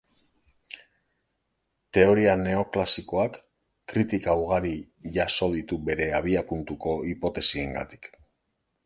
Teoria neoklasikoak kritika ugari jaso ditu bere abiapuntuko hipotesiengatik.